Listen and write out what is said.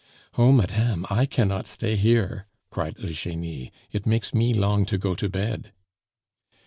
"Oh, madame, I cannot stay here!" cried Eugenie. "It makes me long to go to bed."